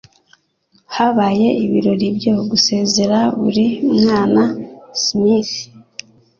Habaye ibirori byo gusezera kuri Bwana Smith.